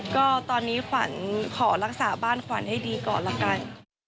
ก็ตอนนี้ขวัญขอรักษาบ้านขวัญให้ดีก่อนละกัน